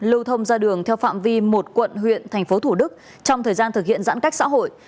lưu thông ra đường theo phạm vi một quận huyện thành phố thủ đức trong thời gian thực hiện giãn cách xã hội